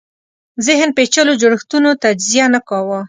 ذهن پېچلو جوړښتونو تجزیه نه کاوه